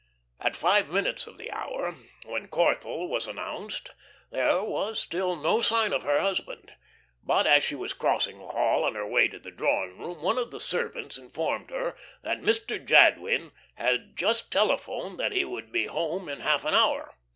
At five minutes of the hour, when Corthell was announced, there was still no sign of her husband. But as she was crossing the hall on her way to the drawing room, one of the servants informed her that Mr. Jadwin had just telephoned that he would be home in half an hour.